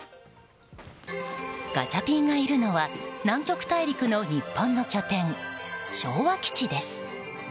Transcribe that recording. ガチャピンがいるのは南極大陸の日本の拠点昭和基地です。